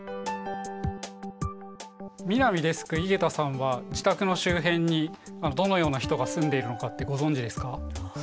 南デスク井桁さんは自宅の周辺にどのような人が住んでいるのかってご存じですか？